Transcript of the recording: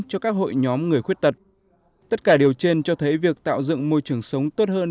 cho các hội nhóm người khuyết tật tất cả điều trên cho thấy việc tạo dựng môi trường sống tốt hơn